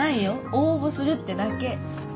応募するってだけ。